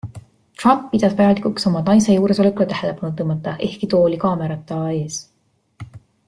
Trump pidas vajalikuks oma naise juuresolekule tähelepanu tõmmata, ehkki too oli kaamerata ees.